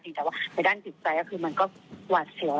เจ้าหน้าที่บอกว่าทางวัดเนี่ยก็จริงไม่มีส่วนเกี่ยวข้องกับเหตุการณ์ดังกล่าวนะ